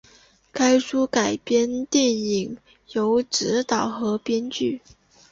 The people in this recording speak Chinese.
该书的改编电影由执导和编剧。